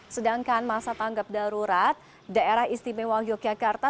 sedangkan masa tanggap darurat daerah istimewa yogyakarta